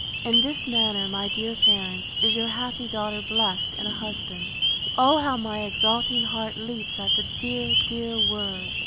In this manner, my dear parents, is your happy daughter blessed in a husband! O how my exulting heart leaps at the dear, dear word!